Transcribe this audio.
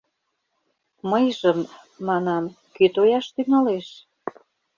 Мыйжым, манам, кӧ тояш тӱҥалеш?